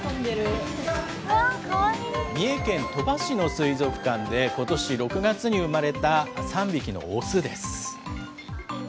三重県鳥羽市の水族館で、ことし６月に産まれた３匹の雄です。